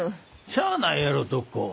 しゃあないやろ徳子。